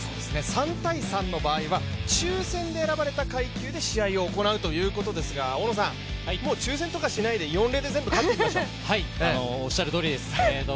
３−３の場合は抽選で選ばれた階級で試合を行うということですが大野さん、もう抽選とかしないで４連でおっしゃるとおり。